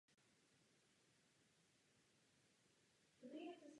Zasedá i v městské radě.